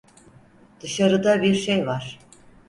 Dışarıda bir şey var.